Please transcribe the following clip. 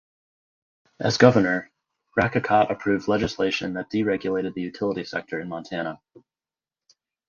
As governor, Racicot approved legislation that deregulated the utility sector in Montana.